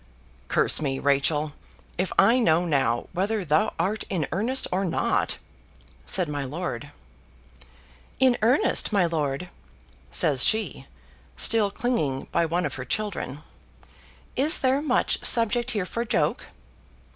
"Curse me, Rachel, if I know now whether thou art in earnest or not," said my lord. "In earnest, my lord!" says she, still clinging by one of her children. "Is there much subject here for joke?"